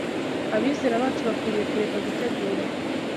Abizera bacu bakwiriye kureka gutegura